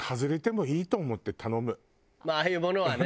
まあああいうものはね。